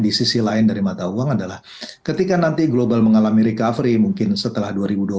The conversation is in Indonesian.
di sisi lain dari mata uang adalah ketika nanti global mengalami recovery mungkin setelah dua ribu dua puluh satu